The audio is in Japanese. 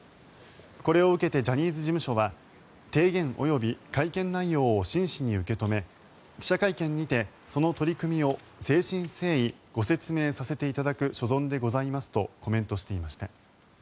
これを受けてジャニーズ事務所は提言及び会見内容を真摯に受け止め記者会見にて、その取り組みを誠心誠意ご説明させていただく所存でございますとコメントしていました。